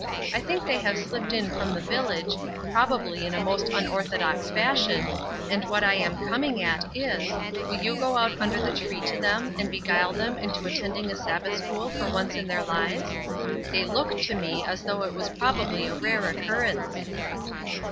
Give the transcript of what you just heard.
I think they have slipped in from the village, probably in a most unorthodox fashion, and what I am coming at is, will you go out under the tree to them and beguile them into attending a Sabbath school for once in their lives? They look to me as though it was probably a rare occurrence."